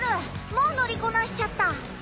もう乗りこなしちゃった。